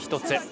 １つ。